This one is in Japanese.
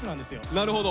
なるほど！